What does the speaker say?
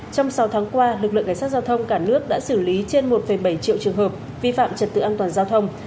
trong sáu tháng qua lực lượng cảnh sát giao thông cả nước đã xử lý trên một bảy triệu trường hợp vi phạm trật tự an toàn giao thông